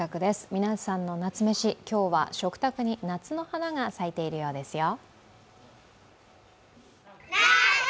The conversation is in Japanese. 皆さんの夏メシ、今日は食卓に夏の花が咲いているようですよ。